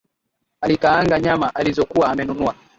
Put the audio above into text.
Alikaanga nyama alizokuwa amenunua